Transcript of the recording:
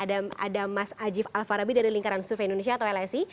ada mas ajif alfarabi dari lingkaran survei indonesia atau lsi